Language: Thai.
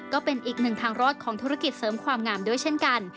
ก็เป็นอีกหนึ่งทางรอดของธุรกิจเสริมความงามด้วยเช่นกัน